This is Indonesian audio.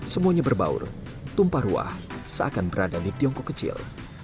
semuanya berbaur tumpah ruah seakan berada di tiongkok kecil